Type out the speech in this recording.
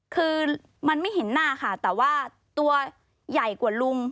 คือมันไม่เห็นหน้าค่ะแต่ว่าตัวใหญ่กว่าลุง